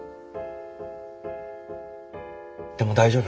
でも大丈夫。